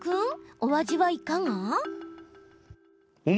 お味はいかが？